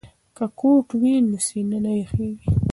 که کوټ وي نو سینه نه یخیږي.